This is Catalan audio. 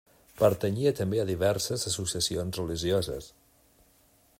Pertanyia també a diverses associacions religioses.